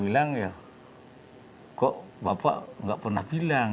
dia bilang ya kok bapak tidak pernah bilang